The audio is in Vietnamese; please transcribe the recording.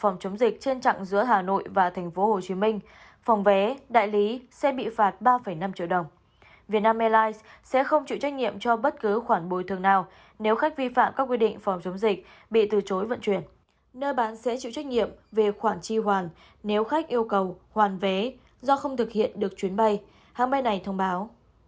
nơi bán sẽ chịu trách nhiệm về khoản chi hoàn nếu khách yêu cầu hoàn vé do không thực hiện được chuyến bay hãng bay này thông báo